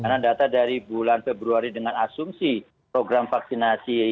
karena data dari bulan februari dengan asumsi program vaksinasi